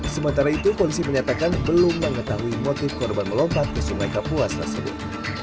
sementara itu polisi menyatakan belum mengetahui motif korban melompat ke sungai kapuas tersebut